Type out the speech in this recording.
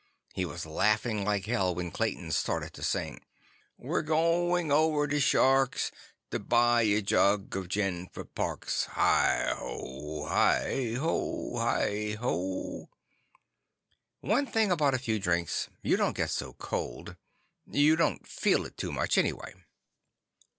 He was laughing like hell when Clayton started to sing. "We're going over to the Shark's To buy a jug of gin for Parks! Hi ho, hi ho, hi ho!" One thing about a few drinks; you didn't get so cold. You didn't feel it too much, anyway.